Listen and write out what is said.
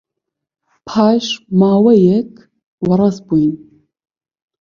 پاش ماوەیەک وەڕەس بووین.